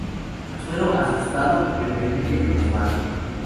Asuero, asustado, le permite que los mate.